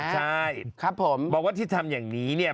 ใช่บอกว่าที่ทำอย่างนี้เนี่ย